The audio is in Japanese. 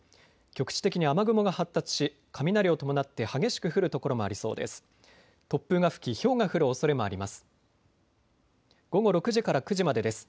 局地的に雨雲が発達し雷を伴って激しく降る所もありそうです。